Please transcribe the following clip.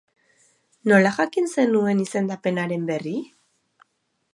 Nola jakin zenuen izendapenaren berri?